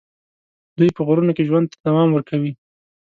دوی په غرونو کې ژوند ته دوام ورکوي.